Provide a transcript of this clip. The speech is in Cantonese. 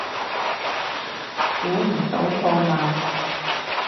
估唔到破万